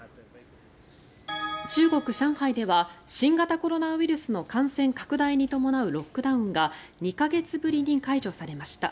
中国・上海では新型コロナウイルスの感染拡大に伴うロックダウンが２か月ぶりに解除されました。